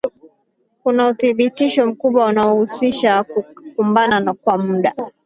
Kuna uthibitisho mkubwa unaohusisha kukumbana kwa muda